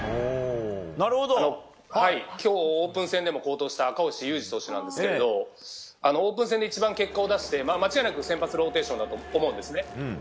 今日オープン戦でも好投した赤星優志投手なんですがオープン戦で一番結果を出して間違いなく先発ローテーションと思うんですね。